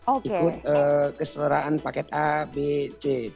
ikut keseluruhan paket a b c